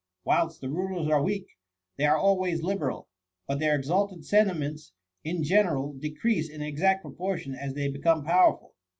Whilst the rulers are weak, they are always liberal; but their ex alted sentiments in general decrease in exact proportion as they become powerful.